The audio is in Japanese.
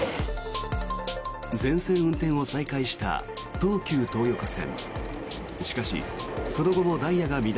全線運転を再開した東急東横線。